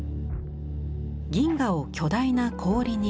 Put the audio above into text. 銀河を巨大な氷に見立て